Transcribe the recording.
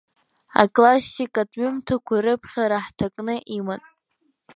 Аклассикатә ҩымҭақәа рыԥхьара хҭакны иман.